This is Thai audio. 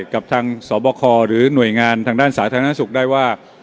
กับทางสบคหรือหน่วยงานทางด้านสาธารณสุขได้ว่า